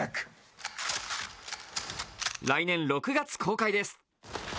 来年６月公開です。